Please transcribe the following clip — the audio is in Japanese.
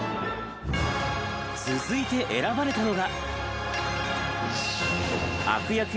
続いて選ばれたのが。